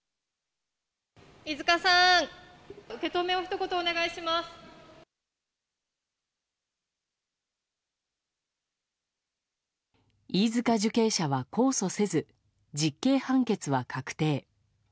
飯塚受刑者は控訴せず実刑判決は確定。